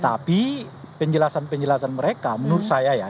tapi penjelasan penjelasan mereka menurut saya ya